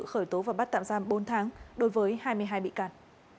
khởi tố và bắt tạm giam bốn tháng đối với hai mươi hai bị can